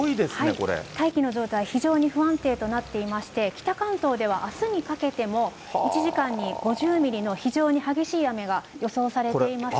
大気の状態、非常に不安定となっていまして、北関東ではあすにかけても、１時間に５０ミリの非常に激しい雨が予想されています。